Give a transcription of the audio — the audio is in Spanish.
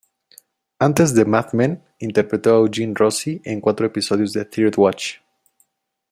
Antes de "Mad Men", interpretó a Eugene Rossi en cuatro episodios de "Third Watch".